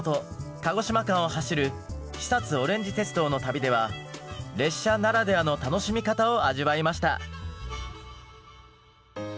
鹿児島間を走る肥おれんじ鉄道の旅では列車ならではの楽しみ方を味わいました。